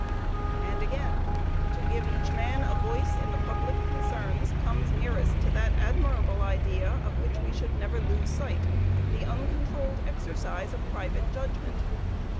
And again, "To give each man a voice in the public concerns comes nearest to that admirable idea of which we should never lose sight, the uncontrolled exercise of private judgment.